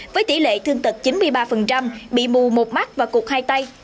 với tỷ lệ thương tật chín mươi ba bị mù một mắt và cụt hai tay